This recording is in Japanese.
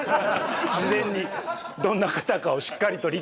事前にどんな方かをしっかりと理解したうえで？